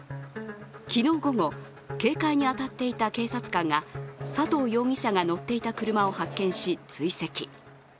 昨日午後、警戒に当たっていた警察官が佐藤容疑者が乗っていた車を発見し、追跡。